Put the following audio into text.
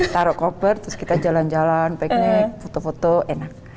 taruh koper terus kita jalan jalan piknik foto foto enak